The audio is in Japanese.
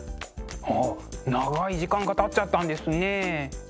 あ長い時間がたっちゃったんですね。